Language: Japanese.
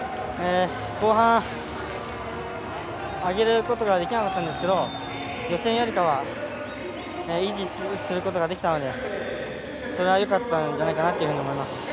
後半、上げることができなかったんですけど予選よりかは維持することができたのでそれはよかったんじゃないかなと思います。